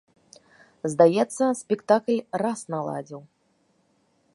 Здаецца, спектакль раз наладзіў.